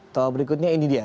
tol berikutnya ini dia